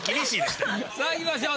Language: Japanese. さあいきましょう。